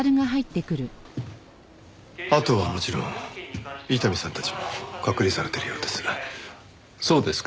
阿藤はもちろん伊丹さんたちも隔離されてるようですね。